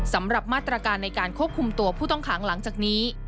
สำหรับมาตรการในการควบคุมตัวผู้ต้องขังหลังจากนี้